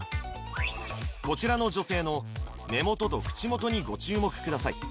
こちらの女性の目元と口元にご注目ください